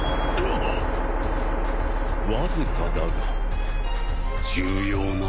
わずかだが重要なのは。